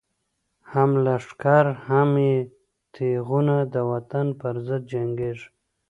هم لښکر هم یی تیغونه، د وطن پر ضد جنگیږی